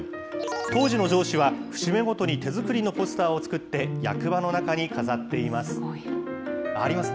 当時の上司は、節目ごとに手作りのポスターを作って、役場の中に飾っています。